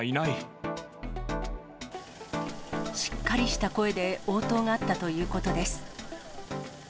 しっかりした声で応答があったということです。